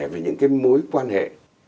về những mối quan hệ